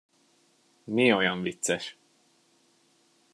Mi olyan vicces?